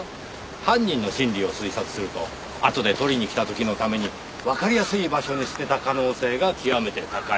犯人の心理を推察するとあとで取りに来た時のためにわかりやすい場所に捨てた可能性が極めて高い。